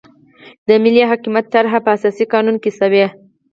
د ملي حاکمیت طرحه په اساسي قانون کې شوې.